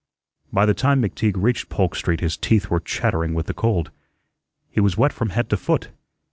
By the time McTeague reached Polk Street his teeth were chattering with the cold. He was wet from head to foot.